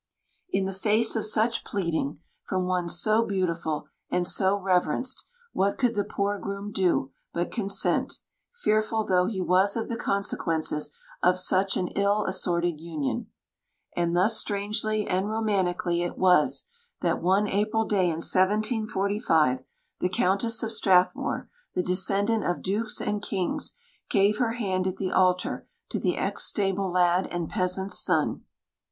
In the face of such pleading, from one so beautiful and so reverenced, what could the poor groom do but consent, fearful though he was of the consequences of such an ill assorted union? And thus strangely and romantically it was that, one April day in 1745, the Countess of Strathmore, the descendant of dukes and kings, gave her hand at the altar to the ex stable lad and peasant's son.